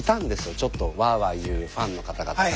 ちょっとワーワー言うファンの方々が。